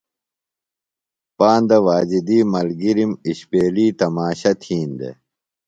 پاندہ واجدی ملگِرِم اِشپیلیۡ تماشہ تِھین دےۡ۔